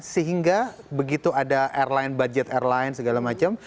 sehingga begitu ada airline budget airline segala macam